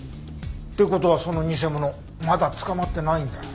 って事はその偽者まだ捕まってないんだ。